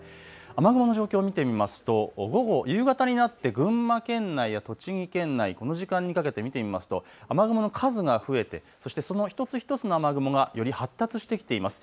雨雲の状況を見てみますと午後、夕方になって群馬県内や栃木県内、この時間にかけて見てみますと、雨雲の数が増えて、そしてその一つ一つの雨雲がより発達してきています。